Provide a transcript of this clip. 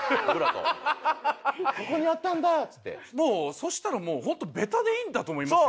そしたらもう本当ベタでいいんだと思いますよ。